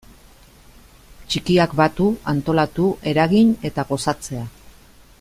Txikiak batu, antolatu, eragin eta gozatzea.